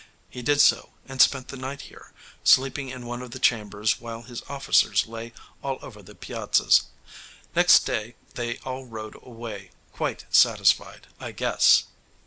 He did so, and spent the night here, sleeping in one of the chambers while his officers lay all over the piazzas. Next day they all rode away, quite satisfied, I guess.